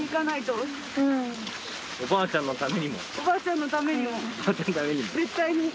おばあちゃんのためにも？